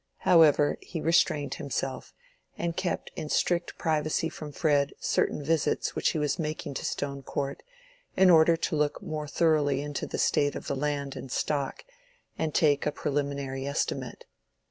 However, he restrained himself, and kept in strict privacy from Fred certain visits which he was making to Stone Court, in order to look more thoroughly into the state of the land and stock, and take a preliminary estimate.